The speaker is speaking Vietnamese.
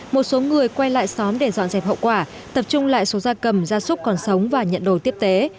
một số người quay lại xóm để dọn dẹp hậu quả tập trung lại số gia cầm gia súc còn sống và nhận đồ tiếp tế